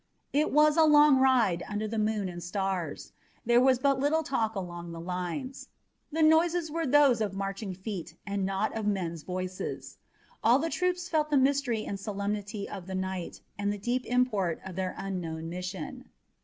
It was a long ride under the moon and stars. There was but little talk along the lines. The noises were those of marching feet and not of men's voices. All the troops felt the mystery and solemnity of the night and the deep import of their unknown mission.